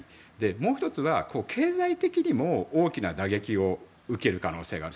もう１つは、経済的にも大きな打撃を受ける可能性がある。